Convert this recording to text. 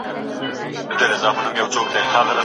محلي حاکمانو د مغولو تګلاري ځان ته ګټوري وبللي.